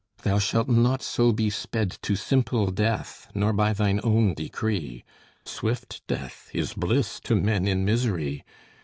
Thou shalt not so be sped To simple death, nor by thine own decree. Swift death is bliss to men in misery.